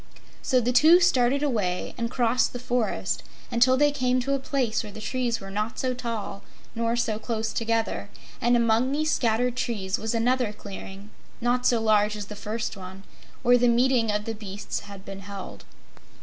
So the two started away and crossed the forest until they came to a place where the trees were not so tall nor so close together, and among these scattered trees was another clearing, not so large as the first one, where the meeting of the beasts had been held.